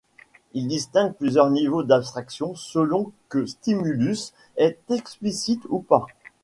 Il distingue plusieurs niveaux d'abstraction selon que le stimulus est explicite ou pas.